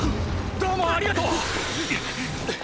どうもありがとう！